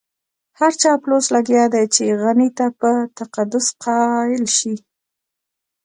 هر چاپلوس لګيا دی چې غني ته په تقدس قايل شي.